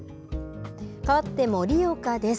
かわって盛岡です。